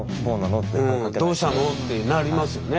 「どうしたの？」ってなりますよね。